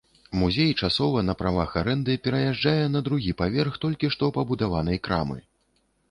Музей часова, на правах арэнды, пераязджае на другі паверх толькі што пабудаванай крамы.